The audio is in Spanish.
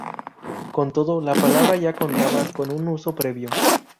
Con todo, la palabra ya contaba con un uso previo.